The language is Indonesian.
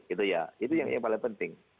itu ya itu yang paling penting